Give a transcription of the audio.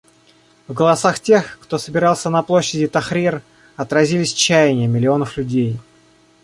В голосах тех, кто собирался на площади Тахрир, отразились чаяния миллионов людей.